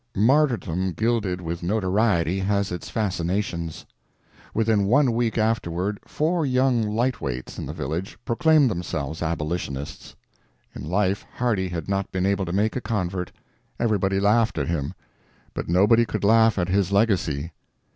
Martyrdom gilded with notoriety has its fascinations. Within one week afterward four young lightweights in the village proclaimed themselves abolitionists! In life Hardy had not been able to make a convert; everybody laughed at him; but nobody could laugh at his legacy.